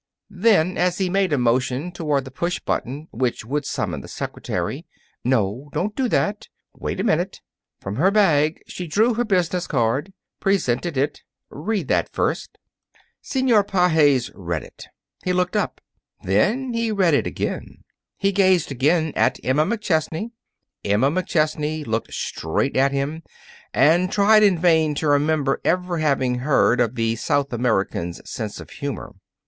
Then, as he made a motion toward the push button, which would summon the secretary: "No, don't do that! Wait a minute!" From her bag she drew her business card, presented it. "Read that first." Senor Pages read it. He looked up. Then he read it again. He gazed again at Emma McChesney. Emma McChesney looked straight at him and tried in vain to remember ever having heard of the South American's sense of humor.